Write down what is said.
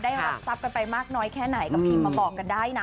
ได้รับทรัพย์กันไปมากน้อยแค่ไหนก็พิมพ์มาบอกกันได้นะ